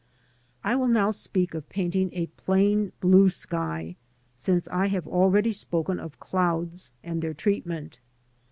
I will now speak of painting a plain blue sky, since I have already spoken of clouds and their treatment.